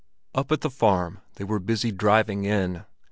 Up at the farm they were busy driving in.